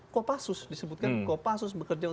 kopassus disebutkan kopassus bekerja